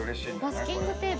マスキングテープ。